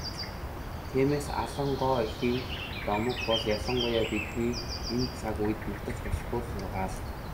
Тиймээс, Алан гоо эхийн домог бол ялангуяа бидний энэ цаг үед мартаж болохгүй сургаал.